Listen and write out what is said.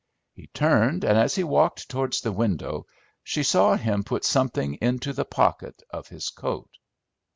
He turned, and as he walked towards the window she saw him put something into the pocket of his coat.